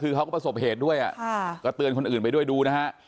ช่าก็ประสบเหตุด้วยก็เตือนคนอื่นไปด้วยดู